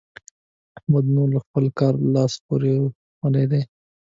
احمد نور له خپله کاره لاس پرېولی دی.